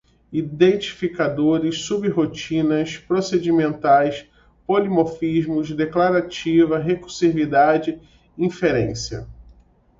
identificadores, sub-rotinas, procedimentais, polimorfismo, declarativa, recursividade, inferência